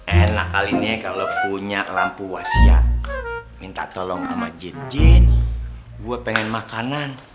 enak kali ini kalau punya lampu wasiat minta tolong ama jin jin gue pengen makanan